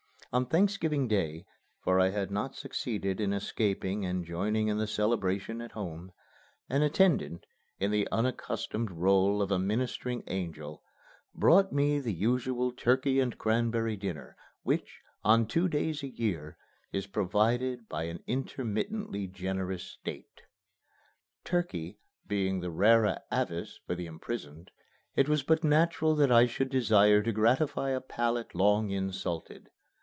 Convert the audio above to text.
On Thanksgiving Day (for I had not succeeded in escaping and joining in the celebration at home) an attendant, in the unaccustomed rôle of a ministering angel, brought me the usual turkey and cranberry dinner which, on two days a year, is provided by an intermittently generous State. Turkey being the rara avis the imprisoned, it was but natural that I should desire to gratify a palate long insulted.